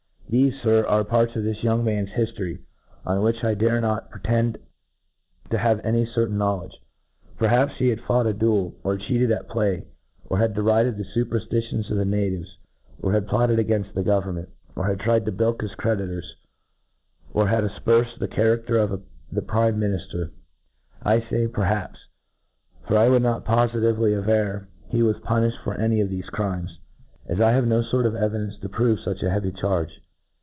; T hefe, Sir, are parts of this young man's hiftory, of which I dare not pretend to have any certain knowledge. Perhaps, he had fought a duels— or had cheated at play— or had derided the fuperftitions of the natives — or had plotted againft the government—or had tried to bilk his creditors— or had afperfed the cha » rafter of the prime minifter ;— I fay, perhaps j for I would not pofitively aver he was punifhed fof PREFACE. 13 For any of thefc crimes, as I have no fort of evi* dence to prove fuch a heavy charge.